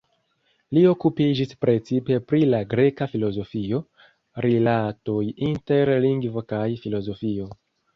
Li okupiĝis precipe pri la greka filozofio, rilatoj inter lingvo kaj filozofio.